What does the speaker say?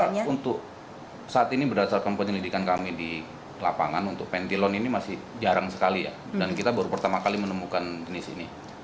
ya untuk saat ini berdasarkan penyelidikan kami di lapangan untuk pentilon ini masih jarang sekali ya dan kita baru pertama kali menemukan jenis ini